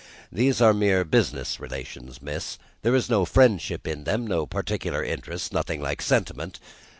These are mere business relations, miss; there is no friendship in them, no particular interest, nothing like sentiment.